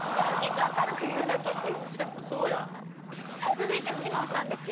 続いてフジモンさんですよ。